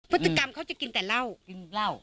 พจิกรรมเขาจะกินแต่เล่า